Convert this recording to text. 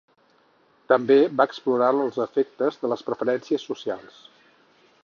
També va explorar els efectes de les preferències socials.